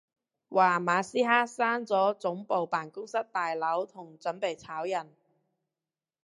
話馬斯克閂咗總部辦公大樓同準備炒人